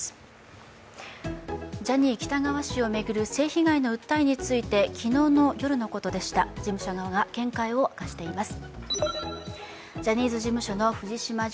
ジャニー喜多川氏を巡る性被害の訴えについて昨日の夜のことでした事務所側が見解を明かしています。